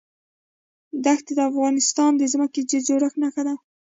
دښتې د افغانستان د ځمکې د جوړښت نښه ده.